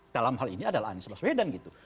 dalam hal ini adalah anies baswedan gitu